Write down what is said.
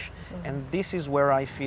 dan di sini saya merasa